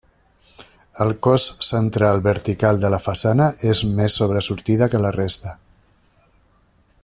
El cos central vertical de la façana és més sobresortida que la resta.